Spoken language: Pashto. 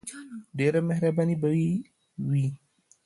ډیره مهربانی به یی وی.